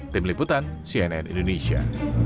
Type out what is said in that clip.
tim liputan cnn indonesia